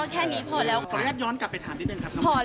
แค่นี้พอแล้วค่ะ